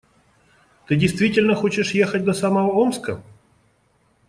Ты действительно хочешь ехать до самого Омска?